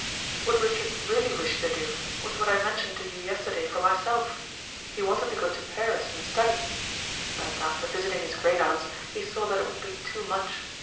"What Richard really wished to do was what I mentioned to you yesterday for myself. He wanted to go to Paris and study, but after visiting his great aunts he saw that it would be too much.